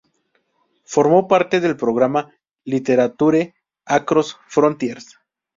Formó parte del programa Literature Across Frontiers.